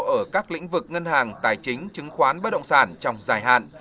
ở các lĩnh vực ngân hàng tài chính chứng khoán bất động sản trong dài hạn